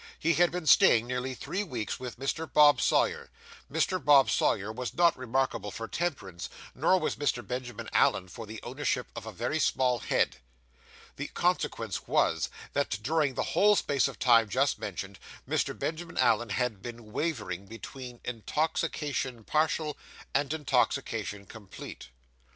He had been staying nearly three weeks with Mr. Bob Sawyer; Mr. Bob Sawyer was not remarkable for temperance, nor was Mr. Benjamin Allen for the ownership of a very strong head; the consequence was that, during the whole space of time just mentioned, Mr. Benjamin Allen had been wavering between intoxication partial, and intoxication complete.